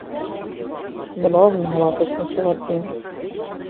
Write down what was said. Ḥemmleɣ ad nehṛeɣ tasnasɣalt-inu.